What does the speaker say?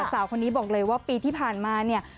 สาวคนนี้บอกเลยว่าปีที่ผ่านมาเนี่ย